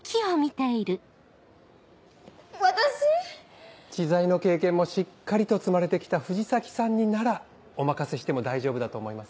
私⁉知財の経験もしっかりと積まれてきた藤崎さんにならお任せしても大丈夫だと思います。